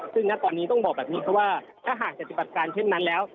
ซึ่งณตอนนี้ต้องบอกแบบนี้ครับว่าถ้าหากปฏิบัติการเช่นนั้นแล้ว